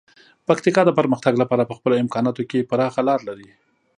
پکتیکا د پرمختګ لپاره په خپلو امکاناتو کې پراخه لاره لري.